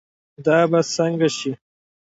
دا به سنګه شي